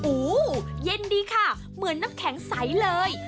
เย็นดีค่ะเหมือนน้ำแข็งใสเลย